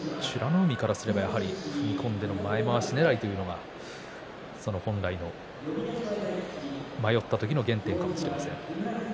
海の場合は踏み込んでの前まわしねらいというのが本来の迷った時の原点かもしれません。